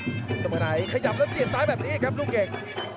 ก็สมมติว่าลูกนายแค่มีคลใจลงเป็นคลิกกวน